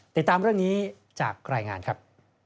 ติดตามเรื่องนี้จากรายงานครับ